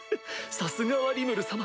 さすがはリムル様。